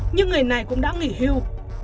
nhưng người này cũng đã nghỉ hưu